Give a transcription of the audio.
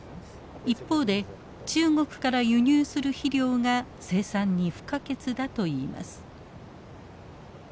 一方で中国から輸入する肥料が生産に不可欠だといいます。